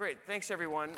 Great. Thanks, everyone.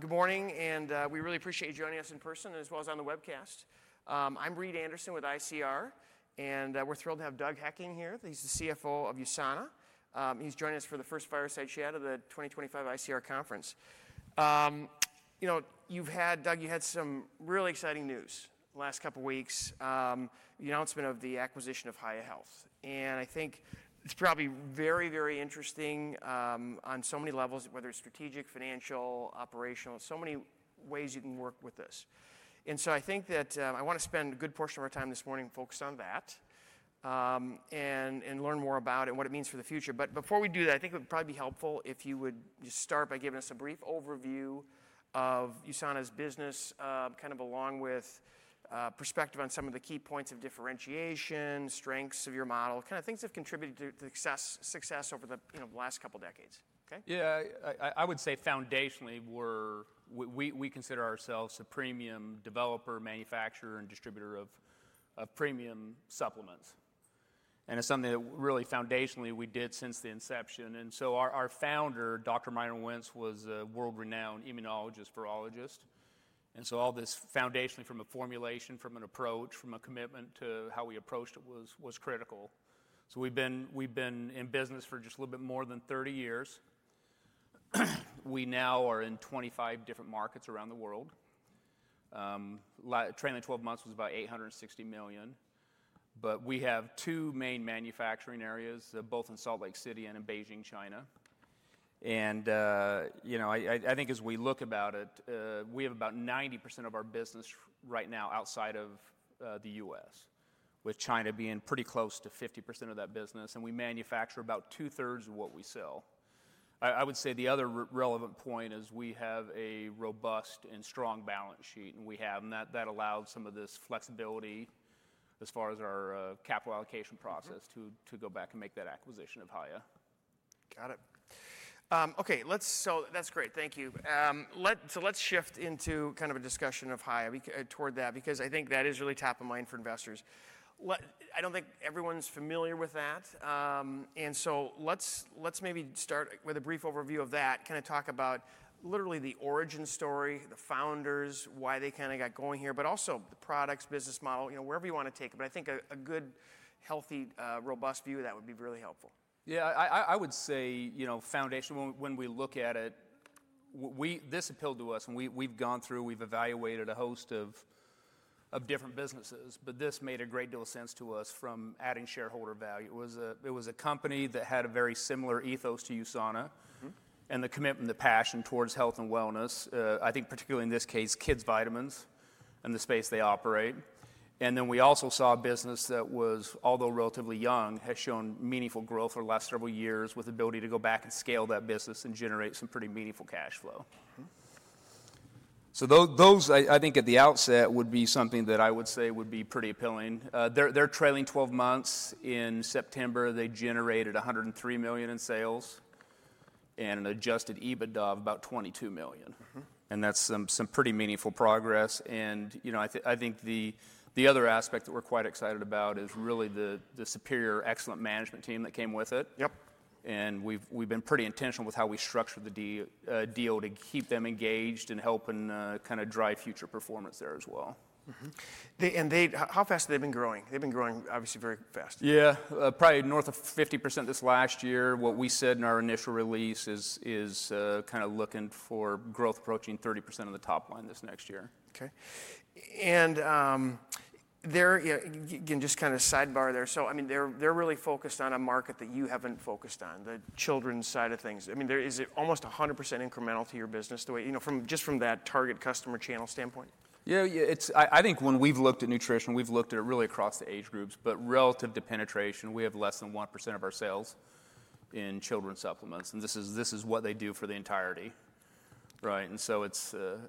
Good morning, and we really appreciate you joining us in person, as well as on the webcast. I'm Reid Anderson with ICR, and we're thrilled to have Doug Hekking here. He's the CFO of USANA. He's joining us for the first fireside chat of the 2025 ICR Conference. You've had, Doug, you had some really exciting news the last couple of weeks: the announcement of the acquisition of Hiya Health. And I think it's probably very, very interesting on so many levels, whether it's strategic, financial, operational, so many ways you can work with this. And so I think that I want to spend a good portion of our time this morning focused on that and learn more about it and what it means for the future. But before we do that, I think it would probably be helpful if you would just start by giving us a brief overview of USANA's business, kind of along with perspective on some of the key points of differentiation, strengths of your model, kind of things that have contributed to success over the last couple of decades. Okay? Yeah. I would say foundationally, we consider ourselves a premium developer, manufacturer, and distributor of premium supplements. And it's something that really foundationally we did since the inception. And so our founder, Dr. Myron Wentz, was a world-renowned immunologist-virologist. And so all this foundationally, from a formulation, from an approach, from a commitment to how we approached it, was critical. So we've been in business for just a little bit more than 30 years. We now are in 25 different markets around the world. Trailing 12 months was about $860 million. But we have two main manufacturing areas, both in Salt Lake City and in Beijing, China. And I think as we look about it, we have about 90% of our business right now outside of the U.S., with China being pretty close to 50% of that business. And we manufacture about two-thirds of what we sell. I would say the other relevant point is we have a robust and strong balance sheet, and that allowed some of this flexibility as far as our capital allocation process to go back and make that acquisition of Hiya. Got it. Okay. So that's great. Thank you. So let's shift into kind of a discussion of Hiya toward that, because I think that is really top of mind for investors. I don't think everyone's familiar with that, and so let's maybe start with a brief overview of that, kind of talk about literally the origin story, the founders, why they kind of got going here, but also the products, business model, wherever you want to take it, but I think a good, healthy, robust view of that would be really helpful. Yeah. I would say foundation, when we look at it, this appealed to us. We've gone through, we've evaluated a host of different businesses. This made a great deal of sense to us from adding shareholder value. It was a company that had a very similar ethos to USANA and the commitment, the passion towards health and wellness, I think particularly in this case, kids' vitamins and the space they operate. We also saw a business that was, although relatively young, has shown meaningful growth over the last several years with the ability to go back and scale that business and generate some pretty meaningful cash flow. Those, I think at the outset, would be something that I would say would be pretty appealing. Their trailing 12 months in September generated $103 million in sales and an Adjusted EBITDA of about $22 million. That's some pretty meaningful progress. I think the other aspect that we're quite excited about is really the superior, excellent management team that came with it. We've been pretty intentional with how we structured the deal to keep them engaged and helping kind of drive future performance there as well. How fast have they been growing? They've been growing, obviously, very fast. Yeah. Probably north of 50% this last year. What we said in our initial release is kind of looking for growth approaching 30% of the top line this next year. Okay, and again, just kind of sidebar there, so I mean, they're really focused on a market that you haven't focused on, the children's side of things. I mean, is it almost 100% incremental to your business just from that target customer channel standpoint? Yeah. I think when we've looked at nutrition, we've looked at it really across the age groups. But relative to penetration, we have less than 1% of our sales in children's supplements. And this is what they do for the entirety. And so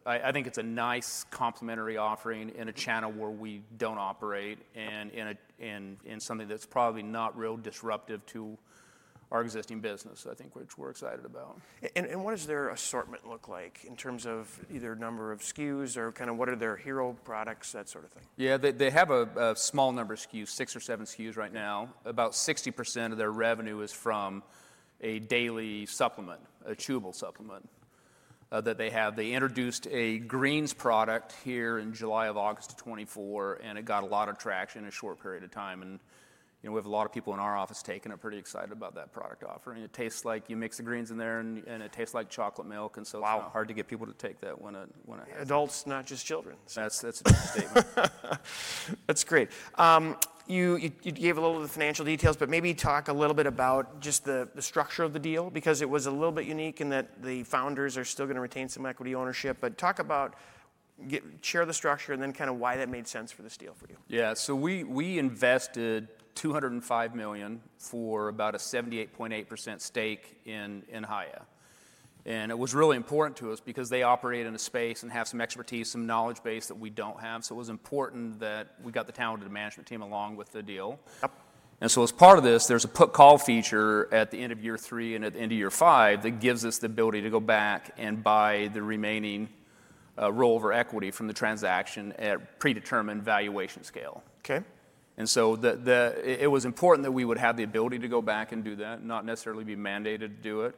I think it's a nice complementary offering in a channel where we don't operate and in something that's probably not real disruptive to our existing business, I think, which we're excited about. What does their assortment look like in terms of either number of SKUs or kind of what are their hero products, that sort of thing? Yeah. They have a small number of SKUs, six or seven SKUs right now. About 60% of their revenue is from a daily supplement, a chewable supplement that they have. They introduced a greens product here in July or August of 2024, and it got a lot of traction in a short period of time. And we have a lot of people in our office taking it, pretty excited about that product offering. It tastes like you mix the greens in there, and it tastes like chocolate milk. And so it's hard to get people to take that when it happens. Adults, not just children. That's a big statement. That's great. You gave a little of the financial details, but maybe talk a little bit about just the structure of the deal, because it was a little bit unique in that the founders are still going to retain some equity ownership. But talk about the structure and then kind of why that made sense for this deal for you? Yeah. So we invested $205 million for about a 78.8% stake in Hiya. And it was really important to us because they operate in a space and have some expertise, some knowledge base that we don't have. So it was important that we got the talented management team along with the deal. And so as part of this, there's a put-call feature at the end of year three and at the end of year five that gives us the ability to go back and buy the remaining rollover equity from the transaction at predetermined valuation scale. And so it was important that we would have the ability to go back and do that, not necessarily be mandated to do it,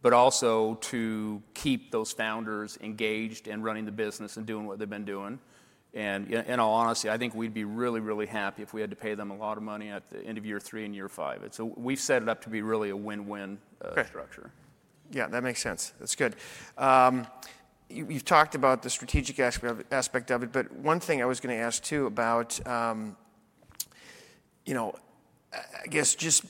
but also to keep those founders engaged and running the business and doing what they've been doing. In all honesty, I think we'd be really, really happy if we had to pay them a lot of money at the end of year three and year five. So we've set it up to be really a win-win structure. Yeah. That makes sense. That's good. You've talked about the strategic aspect of it. But one thing I was going to ask too about, I guess, just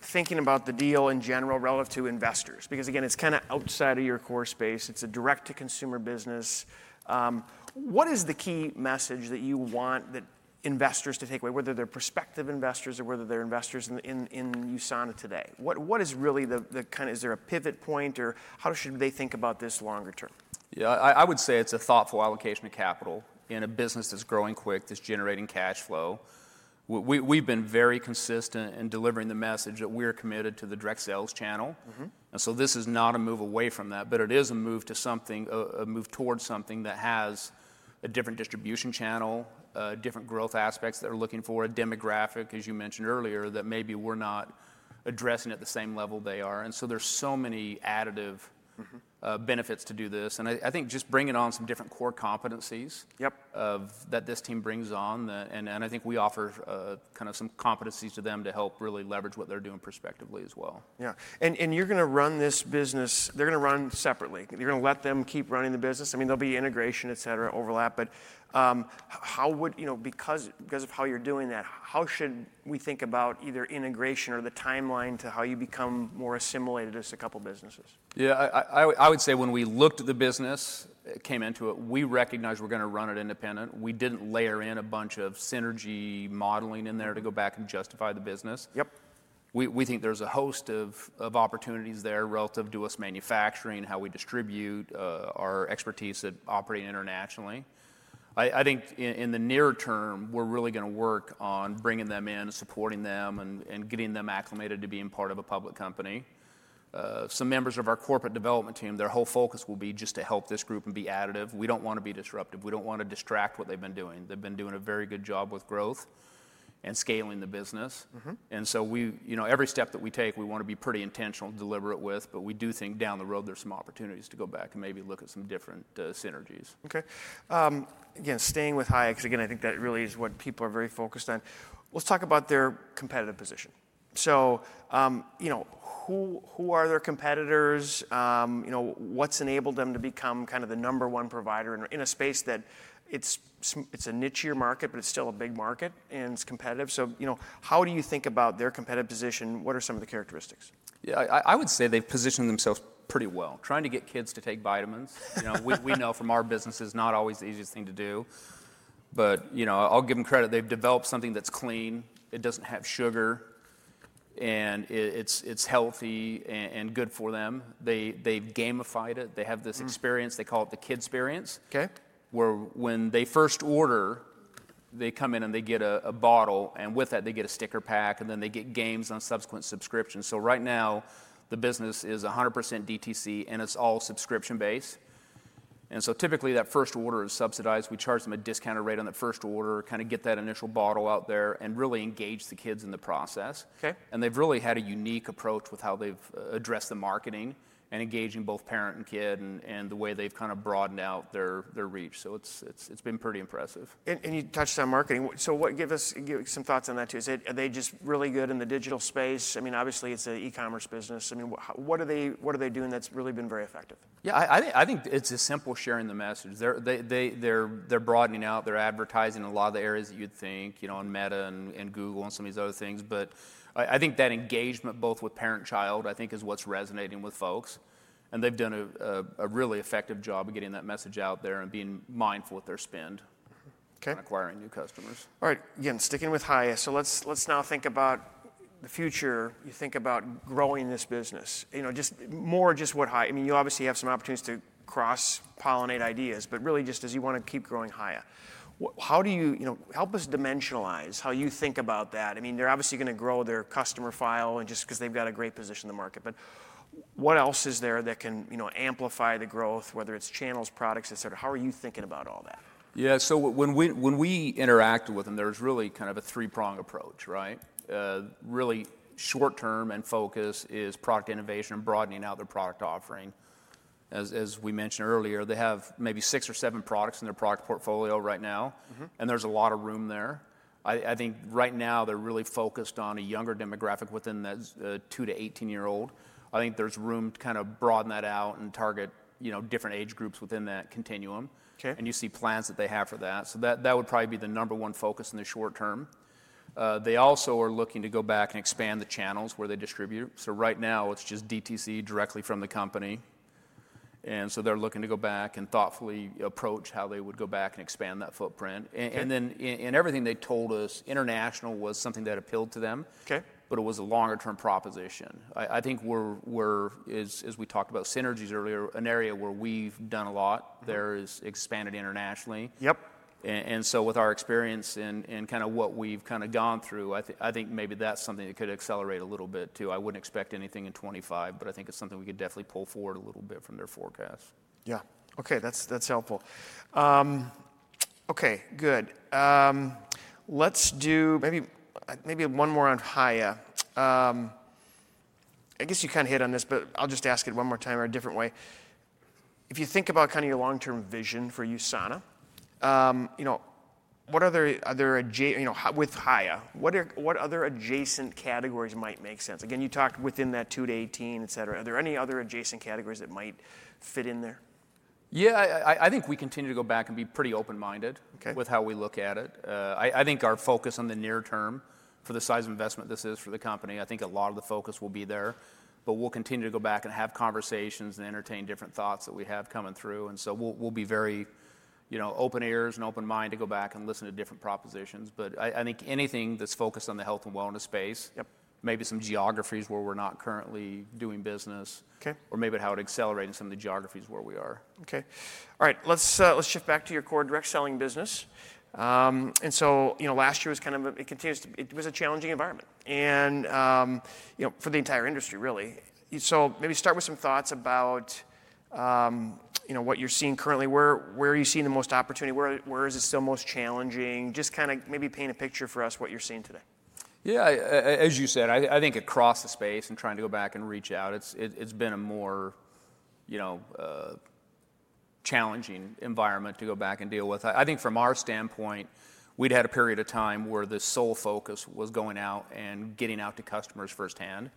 thinking about the deal in general relative to investors, because again, it's kind of outside of your core space. It's a direct-to-consumer business. What is the key message that you want investors to take away, whether they're prospective investors or whether they're investors in USANA today? What is really the kind of is there a pivot point, or how should they think about this longer term? Yeah. I would say it's a thoughtful allocation of capital in a business that's growing quick, that's generating cash flow. We've been very consistent in delivering the message that we are committed to the direct sales channel. And so this is not a move away from that, but it is a move to something, a move towards something that has a different distribution channel, different growth aspects that are looking for, a demographic, as you mentioned earlier, that maybe we're not addressing at the same level they are. And so there's so many additive benefits to do this. And I think just bringing on some different core competencies that this team brings on. And I think we offer kind of some competencies to them to help really leverage what they're doing prospectively as well. Yeah. And you're going to run this business they're going to run separately. You're going to let them keep running the business. I mean, there'll be integration, et cetera, overlap. But because of how you're doing that, how should we think about either integration or the timeline to how you become more assimilated as a couple of businesses? Yeah. I would say when we looked at the business, came into it, we recognized we're going to run it independent. We didn't layer in a bunch of synergy modeling in there to go back and justify the business. We think there's a host of opportunities there relative to us manufacturing, how we distribute, our expertise at operating internationally. I think in the near term, we're really going to work on bringing them in, supporting them, and getting them acclimated to being part of a public company. Some members of our corporate development team, their whole focus will be just to help this group and be additive. We don't want to be disruptive. We don't want to distract what they've been doing. They've been doing a very good job with growth and scaling the business. And so every step that we take, we want to be pretty intentional and deliberate with. But we do think down the road, there's some opportunities to go back and maybe look at some different synergies. Okay. Again, staying with Hiya, because again, I think that really is what people are very focused on. Let's talk about their competitive position. So who are their competitors? What's enabled them to become kind of the number one provider in a space that it's a niche market, but it's still a big market and it's competitive? So how do you think about their competitive position? What are some of the characteristics? Yeah. I would say they've positioned themselves pretty well. Trying to get kids to take vitamins. We know from our business, it's not always the easiest thing to do. But I'll give them credit. They've developed something that's clean. It doesn't have sugar, and it's healthy and good for them. They've gamified it. They have this experience. They call it the kid's experience, where when they first order, they come in and they get a bottle. And with that, they get a sticker pack, and then they get games on subsequent subscriptions. So right now, the business is 100% DTC, and it's all subscription-based. And so typically, that first order is subsidized. We charge them a discounted rate on that first order, kind of get that initial bottle out there, and really engage the kids in the process. And they've really had a unique approach with how they've addressed the marketing and engaging both parent and kid and the way they've kind of broadened out their reach. So it's been pretty impressive. And you touched on marketing. So give us some thoughts on that too. Are they just really good in the digital space? I mean, obviously, it's an e-commerce business. I mean, what are they doing that's really been very effective? Yeah. I think it's as simple as sharing the message. They're broadening out. They're advertising in a lot of the areas that you'd think, on Meta and Google and some of these other things. But I think that engagement, both with parent and child, I think is what's resonating with folks. And they've done a really effective job of getting that message out there and being mindful with their spend and acquiring new customers. All right. Again, sticking with Hiya, so let's now think about the future. You think about growing this business, just more just what Hiya. I mean, you obviously have some opportunities to cross-pollinate ideas, but really just as you want to keep growing Hiya. Help us dimensionalize how you think about that. I mean, they're obviously going to grow their customer file just because they've got a great position in the market. But what else is there that can amplify the growth, whether it's channels, products, et cetera? How are you thinking about all that? Yeah. So when we interact with them, there's really kind of a three-pronged approach. Really short-term and focus is product innovation and broadening out their product offering. As we mentioned earlier, they have maybe six or seven products in their product portfolio right now. And there's a lot of room there. I think right now, they're really focused on a younger demographic within the two to 18-year-old. I think there's room to kind of broaden that out and target different age groups within that continuum. And you see plans that they have for that. So that would probably be the number one focus in the short term. They also are looking to go back and expand the channels where they distribute. So right now, it's just DTC directly from the company. And so they're looking to go back and thoughtfully approach how they would go back and expand that footprint. And then in everything they told us, international was something that appealed to them, but it was a longer-term proposition. I think we're, as we talked about synergies earlier, an area where we've done a lot. There is expanded internationally. And so with our experience and kind of what we've kind of gone through, I think maybe that's something that could accelerate a little bit too. I wouldn't expect anything in 2025, but I think it's something we could definitely pull forward a little bit from their forecast. Yeah. Okay. That's helpful. Okay. Good. Let's do maybe one more on Hiya. I guess you kind of hit on this, but I'll just ask it one more time or a different way. If you think about kind of your long-term vision for USANA, what are there with Hiya? What other adjacent categories might make sense? Again, you talked within that 2 to 18, et cetera. Are there any other adjacent categories that might fit in there? Yeah. I think we continue to go back and be pretty open-minded with how we look at it. I think our focus on the near term for the size of investment this is for the company. I think a lot of the focus will be there. But we'll continue to go back and have conversations and entertain different thoughts that we have coming through. And so we'll be very open ears and open-minded to go back and listen to different propositions. But I think anything that's focused on the health and wellness space, maybe some geographies where we're not currently doing business, or maybe how to accelerate in some of the geographies where we are. Okay. All right. Let's shift back to your core direct selling business, and so last year was kind of a challenging environment for the entire industry, really, so maybe start with some thoughts about what you're seeing currently. Where are you seeing the most opportunity? Where is it still most challenging? Just kind of maybe paint a picture for us what you're seeing today. Yeah. As you said, I think across the space and trying to go back and reach out, it's been a more challenging environment to go back and deal with. I think from our standpoint, we'd had a period of time where the sole focus was going out and getting out to customers firsthand,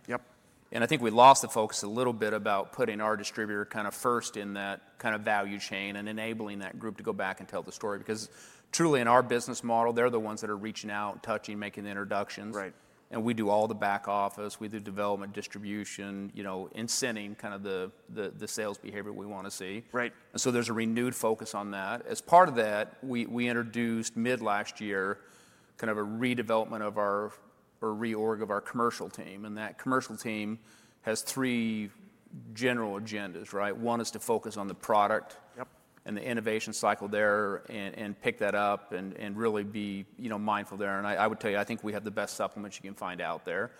and I think we lost the focus a little bit about putting our distributor kind of first in that kind of value chain and enabling that group to go back and tell the story, because truly in our business model, they're the ones that are reaching out, touching, making the introductions, and we do all the back office. We do development, distribution, incenting, kind of the sales behavior we want to see, and so there's a renewed focus on that. As part of that, we introduced mid-last year kind of a redevelopment of our or reorg of our commercial team. And that commercial team has three general agendas. One is to focus on the product and the innovation cycle there and pick that up and really be mindful there. And I would tell you, I think we have the best supplements you can find out there.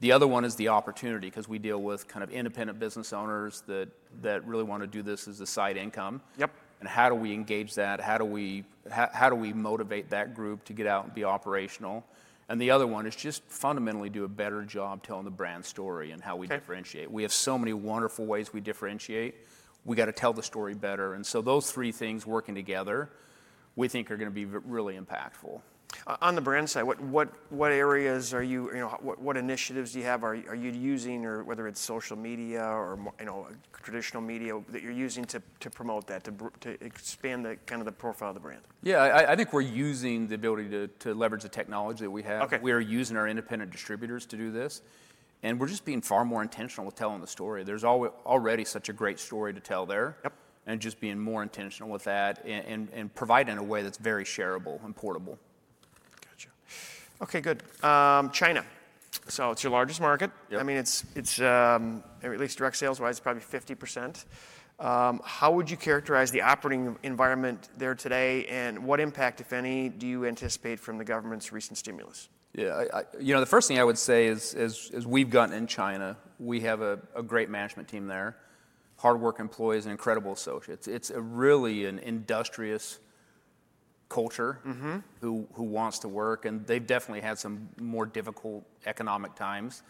The other one is the opportunity, because we deal with kind of independent business owners that really want to do this as a side income. And how do we engage that? How do we motivate that group to get out and be operational? And the other one is just fundamentally do a better job telling the brand story and how we differentiate. We have so many wonderful ways we differentiate. We got to tell the story better. And so those three things working together, we think are going to be really impactful. On the brand side, what areas or what initiatives do you have? Are you using, whether it's social media or traditional media, that you're using to promote that, to expand kind of the profile of the brand? Yeah. I think we're using the ability to leverage the technology that we have. We are using our independent distributors to do this. And we're just being far more intentional with telling the story. There's already such a great story to tell there. And just being more intentional with that and providing in a way that's very shareable and portable. Gotcha. Okay. Good. China. So it's your largest market. I mean, at least direct sales-wise, it's probably 50%. How would you characterize the operating environment there today? And what impact, if any, do you anticipate from the government's recent stimulus? Yeah. The first thing I would say is we've gotten in China, we have a great management team there, hardworking employees, and incredible associates. It's really an industrious culture who wants to work, and they've definitely had some more difficult economic times,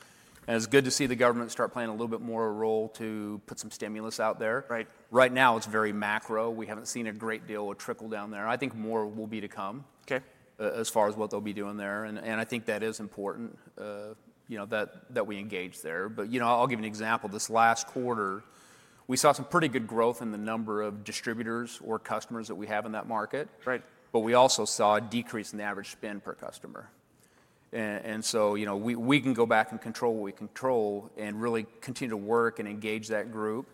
and it's good to see the government start playing a little bit more of a role to put some stimulus out there. Right now, it's very macro. We haven't seen a great deal of trickle down there. I think more will be to come as far as what they'll be doing there, and I think that is important that we engage there, but I'll give you an example. This last quarter, we saw some pretty good growth in the number of distributors or customers that we have in that market, but we also saw a decrease in the average spend per customer. And so we can go back and control what we control and really continue to work and engage that group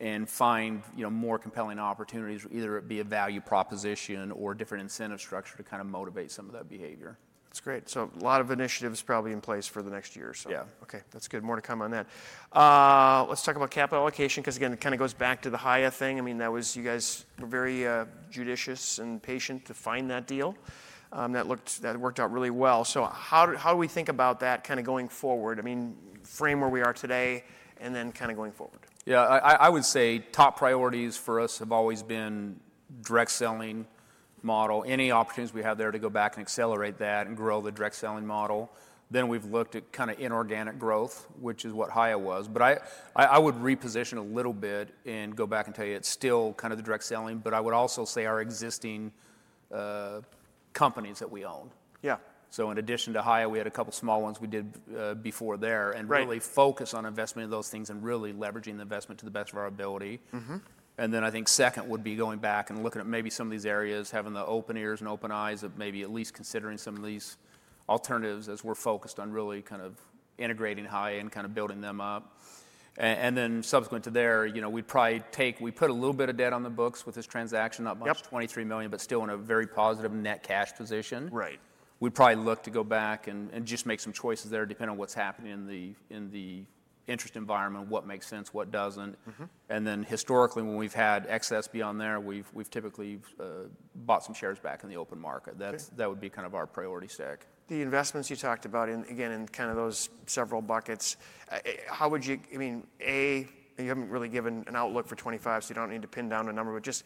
and find more compelling opportunities, either it be a value proposition or different incentive structure to kind of motivate some of that behavior. That's great. So a lot of initiatives probably in place for the next year or so. Yeah. Okay. That's good. More to come on that. Let's talk about capital allocation, because again, it kind of goes back to the Hiya thing. I mean, you guys were very judicious and patient to find that deal. That worked out really well. So how do we think about that kind of going forward? I mean, frame where we are today and then kind of going forward. Yeah. I would say top priorities for us have always been direct selling model. Any opportunities we have there to go back and accelerate that and grow the direct selling model. Then we've looked at kind of inorganic growth, which is what Hiya was. But I would reposition a little bit and go back and tell you it's still kind of the direct selling. But I would also say our existing companies that we own. So in addition to Hiya, we had a couple of small ones we did before there and really focus on investment in those things and really leveraging the investment to the best of our ability. And then I think second would be going back and looking at maybe some of these areas, having the open ears and open eyes of maybe at least considering some of these alternatives as we're focused on really kind of integrating Hiya and kind of building them up. And then subsequent to there, we'd probably take. We put a little bit of debt on the books with this transaction, not much, as $23 million, but still in a very positive net cash position. We'd probably look to go back and just make some choices there depending on what's happening in the interest environment, what makes sense, what doesn't. And then historically, when we've had excess beyond there, we've typically bought some shares back in the open market. That would be kind of our priority stack. The investments you talked about, again, in kind of those several buckets, how would you, I mean, A, you haven't really given an outlook for 2025, so you don't need to pin down a number. But just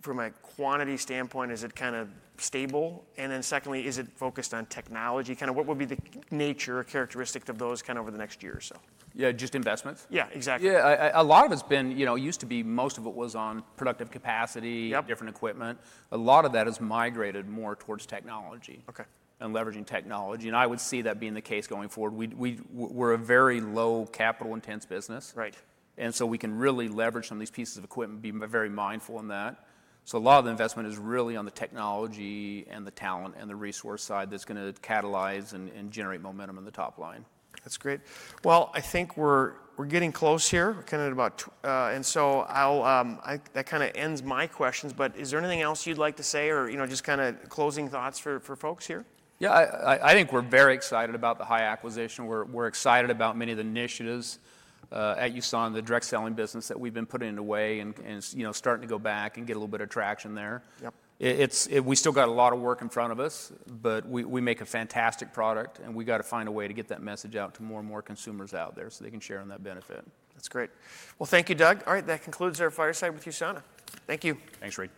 from a quantity standpoint, is it kind of stable? And then secondly, is it focused on technology? Kind of what would be the nature or characteristic of those kind of over the next year or so? Yeah. Just investments? Yeah. Exactly. Yeah. A lot of it's been used to be most of it was on productive capacity, different equipment. A lot of that has migrated more towards technology and leveraging technology. I would see that being the case going forward. We're a very low capital-intensive business, so we can really leverage some of these pieces of equipment, be very mindful in that. A lot of the investment is really on the technology and the talent and the resource side that's going to catalyze and generate momentum in the top line. That's great. Well, I think we're getting close here, kind of about and so that kind of ends my questions. But is there anything else you'd like to say or just kind of closing thoughts for folks here? Yeah. I think we're very excited about the Hiya acquisition. We're excited about many of the initiatives at USANA, the direct selling business that we've been putting into play and starting to go back and get a little bit of traction there. We still got a lot of work in front of us, but we make a fantastic product, and we got to find a way to get that message out to more and more consumers out there so they can share in that benefit. That's great. Well, thank you, Doug. All right. That concludes our Fireside with USANA. Thank you. Thanks, Reid.